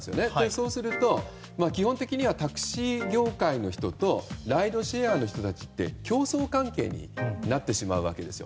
そうすると、基本的にはタクシー業界の人とライドシェアの人たちって競争関係になってしまうわけですよ。